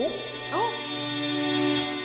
あっ！